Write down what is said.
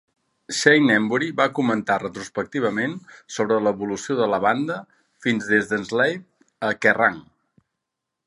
Shane Embury va comentar retrospectivament sobre l'evolució de la banda fins des de Enslaved... a Kerrang!